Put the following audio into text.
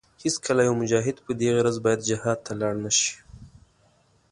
هېڅکله يو مجاهد په دې غرض باید جهاد ته لاړ نشي.